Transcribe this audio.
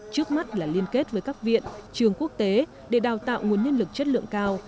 trước mắt là liên kết với các viện trường quốc tế để đào tạo nguồn nhân lực chất lượng cao